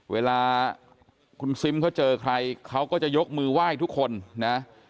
เวลาคุณซิมเขาเจอใครเขาก็จะยกมือไหว้ทุกคนนะ